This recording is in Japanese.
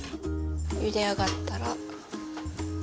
ゆで上がったら。